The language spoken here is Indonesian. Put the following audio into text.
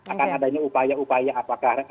akan adanya upaya upaya apakah